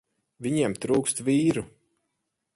Viņiem trūkst vīru.